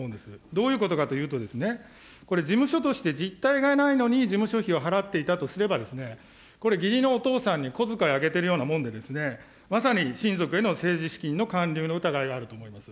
どういうことかと言うと、これ、事務所として実態がないのに、事務所費を払っていたとすればですね、これ、義理のお父さんに小遣いあげてるようなもんでですね、まさに親族への政治資金のかんりゅうの疑いがあると思います。